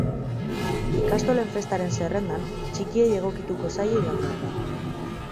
Ikastolen festaren zerrendan txikiei egokituko zaie igandean.